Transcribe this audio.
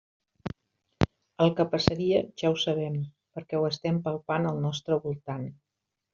El que passaria ja ho sabem perquè ho estem palpant al nostre voltant.